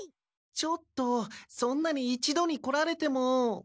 ちょっとそんなに一度に来られても。